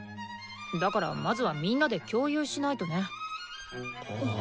だからまずはみんなで共有しないとね。